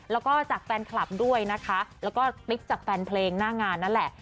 แล้วก็จากแฟนคลับด้วยนะคะแล้วก็ติ๊กจากแฟนเพลงหน้างานนั่นแหละ